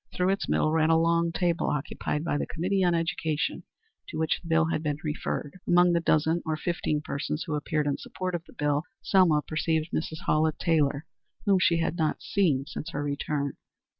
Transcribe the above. Through its middle ran a long table occupied by the Committee on Education to which the bill had been referred. Among the dozen or fifteen persons who appeared in support of the bill Selma perceived Mrs. Hallett Taylor, whom she had not seen since her return.